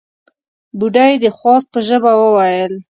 بوډۍ د خواست په ژبه وويل: